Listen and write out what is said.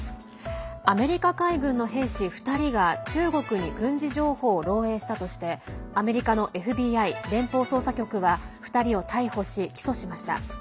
アメリカ海軍の兵士２人が中国に軍事情報を漏えいしたとしてアメリカのＦＢＩ＝連邦捜査局は２人を逮捕し、起訴しました。